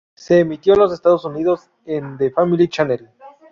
Se emitió en los Estados Unidos en The Family Channel.